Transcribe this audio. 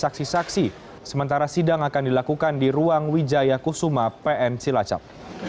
saksi saksi sementara sidang akan dilakukan di ruang wijaya kusuma pn cilacap